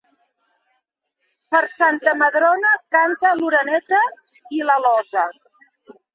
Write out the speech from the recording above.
Per Santa Madrona canta l'oreneta i l'alosa.